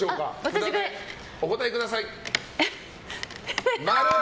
札でお答えください。